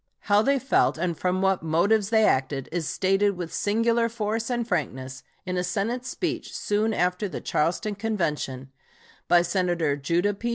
How they felt and from what motives they acted is stated with singular force and frankness in a Senate speech, soon after the Charleston Convention, by Senator Judah P.